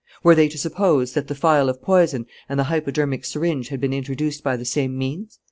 Were they to suppose that the phial of poison and the hypodermic syringe had been introduced by the same means?